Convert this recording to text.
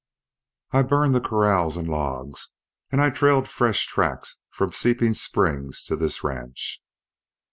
I burned the corrals and logs and I trailed fresh tracks from Seeping Springs to this ranch."